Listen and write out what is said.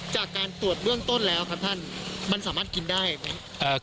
จากการตรวจเบื้องต้นแล้วครับท่านมันสามารถกินได้ไหม